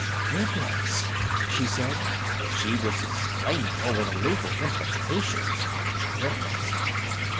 "Triplets!" she said. She was exclaiming over the legal implications of triplets.